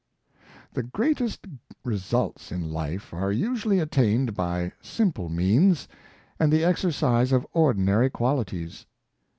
HE greatest results in life are usually attained by simple means, and the exercise of ordinary qualities.